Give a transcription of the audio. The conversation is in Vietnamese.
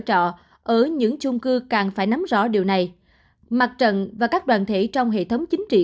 trọ ở những chung cư càng phải nắm rõ điều này mặt trận và các đoàn thể trong hệ thống chính trị